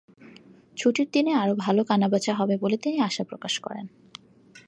ছুটির দিনে আরও ভালো বেচা-কেনা হবে বলে তিনি আশা প্রকাশ করেন।